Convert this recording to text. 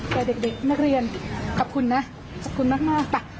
แต่เด็กนักเรียนขอบคุณนะขอบคุณมาก